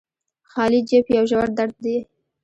خالي جب يو ژور درد دې